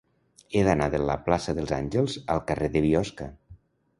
He d'anar de la plaça dels Àngels al carrer de Biosca.